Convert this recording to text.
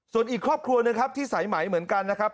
ส่วนอีกครอบครัวหนึ่งครับที่สายไหมเหมือนกันนะครับ